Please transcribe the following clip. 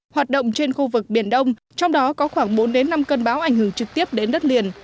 hoạt động trên khu vực biển đông trong đó có khoảng bốn đến năm cơn bão ảnh hưởng trực tiếp đến đất liền